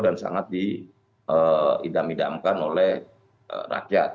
dan sangat diidam idamkan oleh rakyat